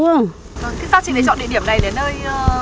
sao chị lại chọn địa điểm này đến nơi